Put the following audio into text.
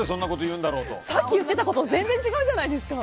さっき言っていたことと全然違うじゃないですか。